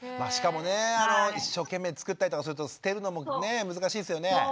しかもね一生懸命作ったりとかすると捨てるのもね難しいですよね。